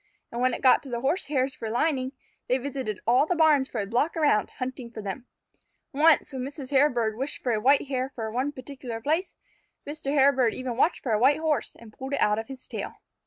And when it got to the Horsehairs for lining, they visited all the barns for a block around, hunting for them. Once, when Mrs. Hairbird wished for a white hair for one particular place, Mr. Hairbird even watched for a white Horse, and pulled it out of his tail.